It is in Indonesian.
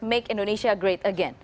make indonesia great again